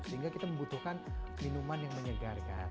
sehingga kita membutuhkan minuman yang menyegarkan